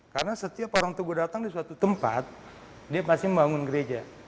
karena setiap orang tugu datang di suatu tempat dia pasti membangun gereja